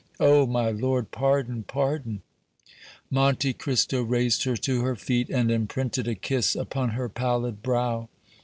Oh! my lord, pardon, pardon!" Monte Cristo raised her to her feet, and imprinted a kiss upon her pallid brow.